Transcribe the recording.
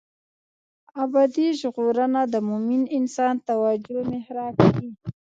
ابدي ژغورنه د مومن انسان توجه محراق وي.